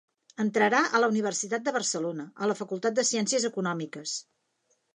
Entrarà a la Universitat de Barcelona, a la Facultat de Ciències Econòmiques.